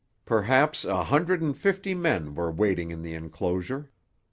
Perhaps a hundred and fifty men were waiting in the enclosure.